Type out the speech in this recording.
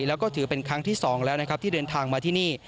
และก็ถือเป็นครั้งที่สองแล้วที่เดินทางมาที่นี่